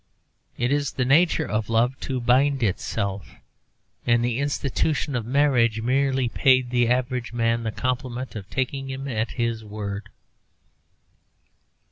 It is the nature of love to bind itself, and the institution of marriage merely paid the average man the compliment of taking him at his word.